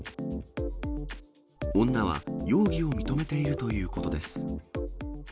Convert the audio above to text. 女は容疑を認めているということです。